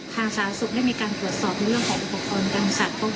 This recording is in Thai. สาธารณสุขได้มีการตรวจสอบในเรื่องของอุปกรณ์การสัตว์